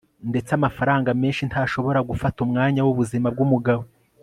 ndetse amafaranga menshi ntashobora gufata umwanya wubuzima bwumugabo